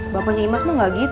bapaknya gak mau nyanyi